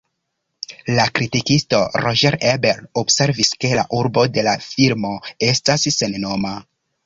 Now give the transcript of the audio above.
La kritikisto Roger Ebert observis ke la urbo de la filmo estas sennoma.